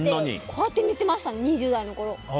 こうやって寝てました２０代のころ。